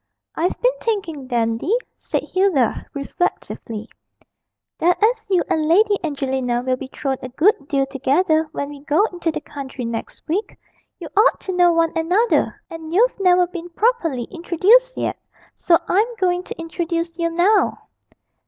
'I've been thinking, Dandy,' said Hilda, reflectively, 'that as you and Lady Angelina will be thrown a good deal together when we go into the country next week, you ought to know one another, and you've never been properly introduced yet; so I'm going to introduce you now.'